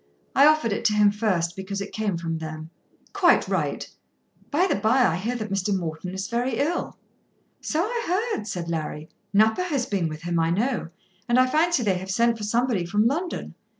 I offered it to him first because it came from them." "Quite right. By the bye, I hear that Mr. Morton is very ill." "So I heard," said Larry. "Nupper has been with him, I know, and I fancy they have sent for somebody from London.